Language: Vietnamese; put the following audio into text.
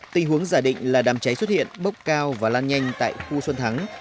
tình huống giả định là đàm cháy xuất hiện bốc cao và lan nhanh tại khu xuân thắng